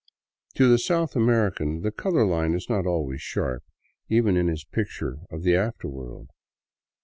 To the South American the color line is not sharp, even in his picture of the after world.